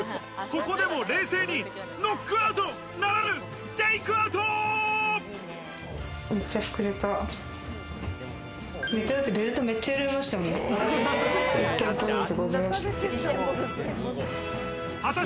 ここでも冷静にノックアウトならめっちゃ膨れた。